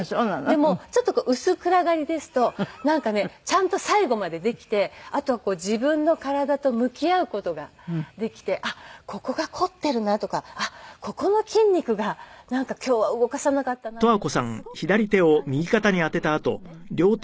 でもちょっと薄暗がりですとなんかねちゃんと最後までできてあとはこう自分の体と向き合う事ができてあっここが凝っているなとかあっここの筋肉がなんか今日は動かさなかったなっていうのがすごく感じる事ができるんですね。